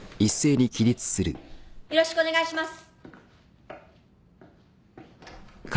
よろしくお願いします。